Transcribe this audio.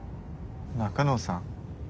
中野さん。